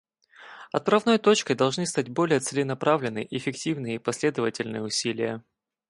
Отправной точкой должны стать более целенаправленные, эффективные и последовательные усилия.